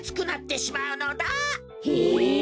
へえ。